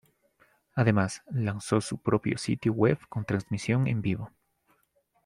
Además, lanzó su propio sitio web con transmisión en vivo.